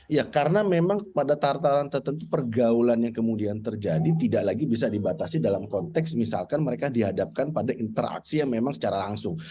ya karena memang pada tataran tertentu pergaulan yang kemudian terjadi tidak lagi bisa dibatasi dalam konteks misalkan mereka dihadapkan pada interaksi yang memang secara langsung